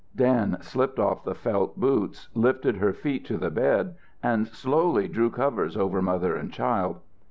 Dan slipped off the felt boots, lifted her feet to the bed and softly drew covers over mother and child.